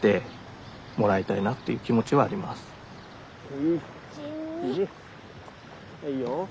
いいよ。